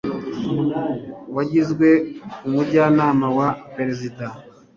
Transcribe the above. wagizwe umujyanama wa perezida